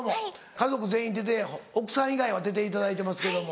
家族全員出て奥さん以外は出ていただいてますけども。